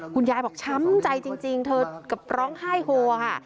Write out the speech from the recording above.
คุณยายบอกช้ำใจจริงเธอกับร้องไห้โฮค่ะ